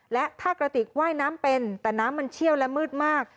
และถ้ากระติกว่ายน้ำเป็นแต่น้ำมันเชี่ยวและมืดมาก